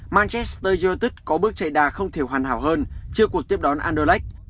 manchester united có bước chạy đà không thiểu hoàn hảo hơn trước cuộc tiếp đón anderlecht